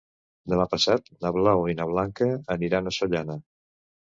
Demà passat na Blau i na Blanca aniran a Sollana.